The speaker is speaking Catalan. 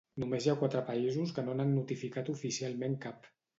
Només hi ha quatre països que no n'han notificat oficialment cap.